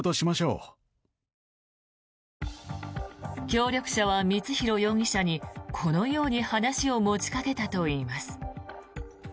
協力者は光弘容疑者にこのように話を持ちかけたといいます。